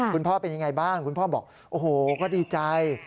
คุณพ่อเป็นยังไงบ้างคุณพ่อบอกโอ้โหก็ดีใจ